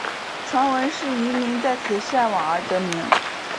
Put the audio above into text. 传闻是渔民在此晒网而得名。